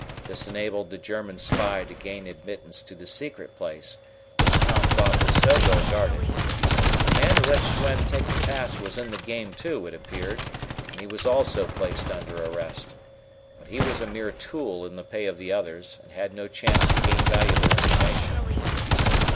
This enabled the German spy to gain admittance to the secret place, which Tom thought was so well guarded. The man who let Schwen take the pass was in the game, too, it appeared, and he was also placed under arrest. But he was a mere tool in the pay of the others, and had no chance to gain valuable information.